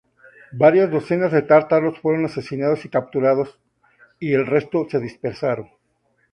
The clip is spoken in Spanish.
Varias docenas de tártaros fueron asesinados y capturados, y el resto se dispersaron.